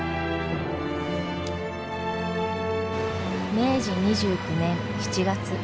明治２９年７月。